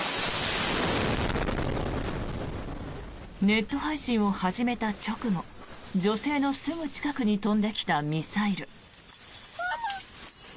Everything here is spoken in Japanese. ネット配信を始めた直後女性のすぐ近くに飛んできたミサイル。